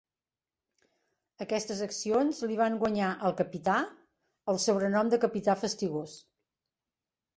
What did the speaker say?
Aquestes accions li van guanyar al capità el sobrenom de "Capità Fastigós".